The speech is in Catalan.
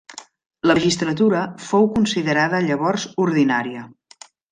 La magistratura fou considerada llavors ordinària.